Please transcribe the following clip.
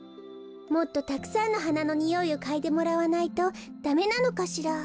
もっとたくさんのはなのにおいをかいでもらわないとダメなのかしら。